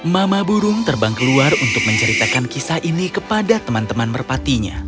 mama burung terbang keluar untuk menceritakan kisah ini kepada teman teman merpatinya